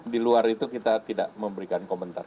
di luar itu kita tidak memberikan komentar